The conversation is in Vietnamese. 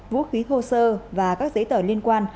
vũ khí thô sơ và các giấy tờ liên quan